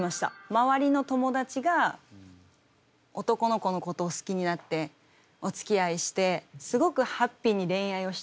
周りの友達が男の子のことを好きになっておつきあいしてすごくハッピーに恋愛をしている。